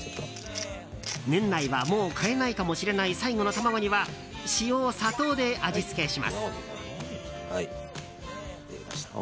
年内はもう買えないかもしれない最後の卵には塩、砂糖で味付けします。